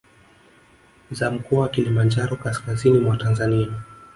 Za Mkoa wa Kilimanjaro Kaskazini mwa Tanzania